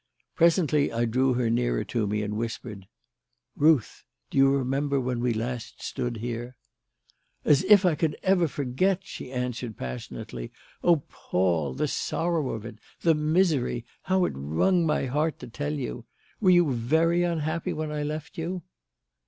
Presently I drew her nearer to me and whispered: "Ruth! do you remember when we last stood here?" "As if I could ever forget!" she answered passionately. "Oh, Paul! The sorrow of it! The misery! How it wrung my heart to tell you! Were you very unhappy when I left you?"